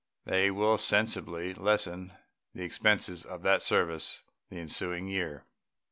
They will sensibly lessen the expenses of that service the ensuing year.